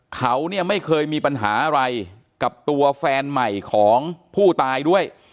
เขาเนี่ยไม่เคยมีปัญหาอะไรกับตัวแฟนใหม่ของผู้ตายด้วย